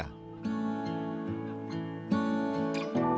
meski tidak bermain pada saat itu